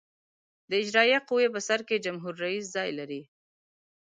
د اجرائیه قوې په سر کې جمهور رئیس ځای لري.